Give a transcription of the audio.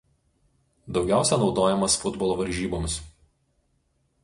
Daugiausia naudojamas futbolo varžyboms.